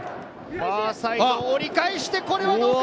ファーサイド、折り返して、これはどうか？